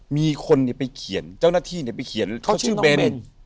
มีคนเนี้ยไปเขียนเจ้าหน้าที่เนี้ยไปเขียนเขาชื่อน้องเบนอืม